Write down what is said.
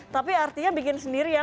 tapi artinya bikin sendiri ya mas